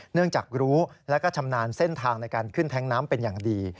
เนื่องจากรู้แล้วก็ชำนาญเส้นทางในการขึ้นแท้งน้ำเป็นอย่างดี